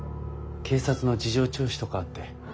警察の事情聴取とかあって。